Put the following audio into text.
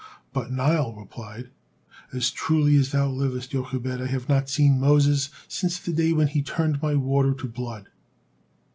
But Nile replied, "As truly as thou livest, Jochebed, I have not seen Moses since the day when he turned my water to blood."